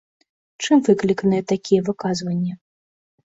Чым выкліканыя такія выказванні?